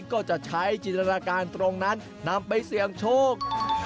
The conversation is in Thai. ก็จะใช้จินตนาการตรงนั้นนำไปเสี่ยงโชค